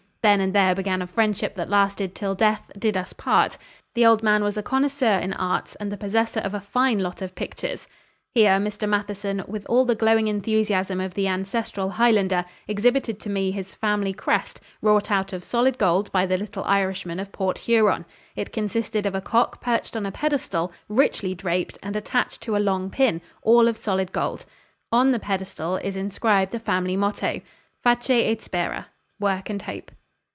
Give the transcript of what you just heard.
Then and there began a friendship that lasted till death "did us part." The old man was a connoisseur in arts, and the possessor of a fine lot of pictures." Here Mr. Matheson, with all the glowing enthusiasm of the ancestral Highlander, exhibited to me his family crest, wrought out of solid gold by the little Irishman of Port Huron. It consisted of a cock perched on a pedestal, richly draped, and attached to a long pin, all of solid gold. On the pedestal is inscribed the family motto, "Face et spera" (Work and hope).